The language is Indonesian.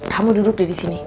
kamu duduk di sini